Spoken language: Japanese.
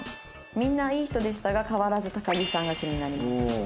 「みんないい人でしたが変わらず高木さんが気になります」。